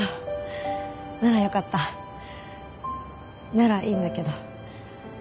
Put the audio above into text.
ならいいんだけど。